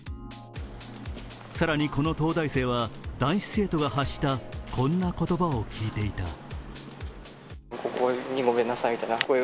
更に、この東大生は男子生徒が発したこんな言葉を聞いていた。